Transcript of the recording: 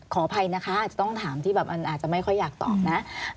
ขออภัยนะคะอาจจะต้องถามที่แบบมันอาจจะไม่ค่อยอยากตอบนะ